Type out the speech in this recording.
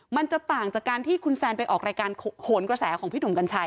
มันจะต่างจากการที่คุณแซนไปออกรายการโหนกระแสของพี่หนุ่มกัญชัย